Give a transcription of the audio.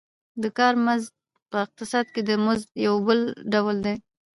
د کار مزد په اقتصاد کې د مزد یو بل ډول دی